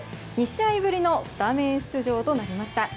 ２試合ぶりのスタメン出場となりました。